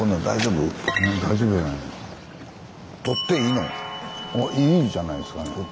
大丈夫じゃない？いいんじゃないですかね。